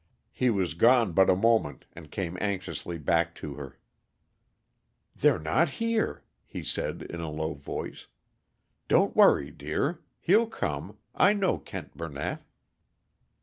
He was gone but a moment, and came anxiously back to her. "They're not here," he said, in a low voice. "Don't worry, dear. He'll come I know Kent Burnett."